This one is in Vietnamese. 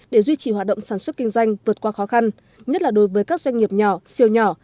để duy trì hoạt động sản xuất kinh doanh vượt qua khó khăn nhất là đối với các doanh nghiệp nhỏ siêu nhỏ